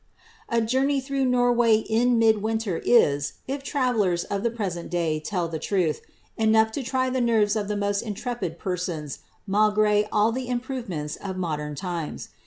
A journey through Norway in mid winter is, if travellers of the pre sent day tell the truth, enough to try the nerves of the most intrepid persons, malgre all the improvements of modern times.